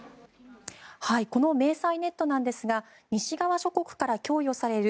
この迷彩ネットですが西側諸国から供与される